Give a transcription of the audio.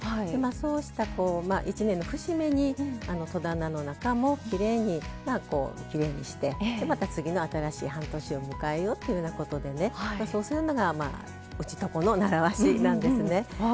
そうした１年の節目に戸棚の中もきれいにしてまた次の新しい半年を迎えようというようなことでねそうするのがうちとこの習わしなんですね。